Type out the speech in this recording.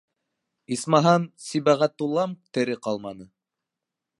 Исмаһа, Сибәғәтуллам тере ҡалманы!